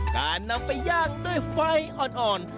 การนำไปย่างด้วยไฟอ่อน